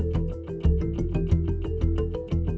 เอาเลยครับ